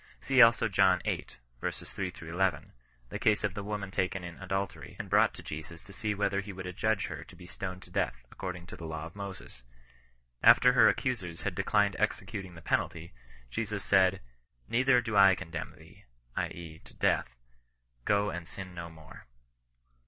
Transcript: See also John viii. 3 — 11, the case of the woman taken in adultery, and brought to Jesus to see whether he would adjudge her to be stoned to death, according to the law of Moses. After her ac cusers had declined executing the penalty, Jesus said —" Neither do I condemn thee (i. e. to death), go and sin no more."